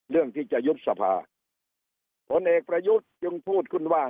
เรื่องที่จะยุบสภาผลเอกประยุทธ์จึงพูดขึ้นว่า